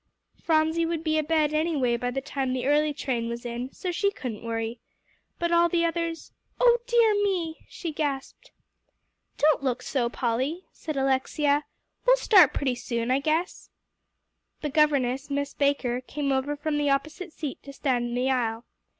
Phronsie would be abed anyway by the time the early train was in, so she couldn't worry. But all the others "Oh dear me!" she gasped. "Don't look so, Polly," said Alexia, "we'll start pretty soon, I guess." The governess, Miss Baker, came over from the opposite seat to stand in the aisle.